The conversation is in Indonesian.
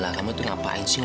lalu yuh gea